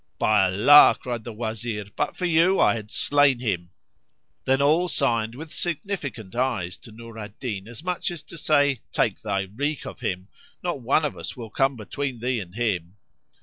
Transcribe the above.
"By Allah," cried the Wazir, "but for you I had slain him!" Then all signed with significant eyes to Nur al Din as much as to say, "Take thy wreak of him; not one of us will come between thee and him."